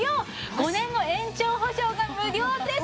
５年の延長保証が無料です！